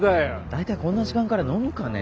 大体こんな時間から飲むかね。